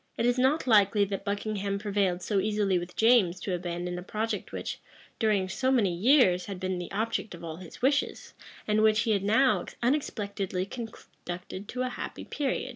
It is not likely that Buckingham prevailed so easily with James to abandon a project which, during so many years, had been the object of all his wishes, and which he had now unexpectedly conducted to a happy period.